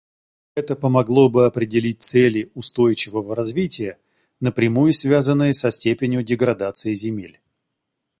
Это помогло бы определить цели устойчивого развития, напрямую связанные со степенью деградации земель.